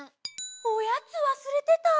おやつわすれてた。